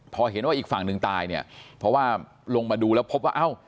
พอเห็นว่าอีกฝั่งหนึ่งตายเนี่ยเพราะว่าลงมาดูแล้วพบว่าเอ้า